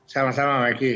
selamat malam meki